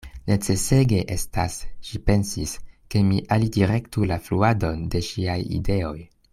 Necesege estas, ŝi pensis, ke mi alidirektu la fluadon de ŝiaj ideoj.